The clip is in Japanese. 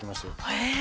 へえ。